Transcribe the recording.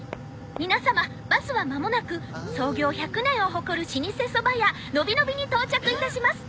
皆様バスはまもなく創業１００年を誇る老舗そば屋のびのびに到着いたします。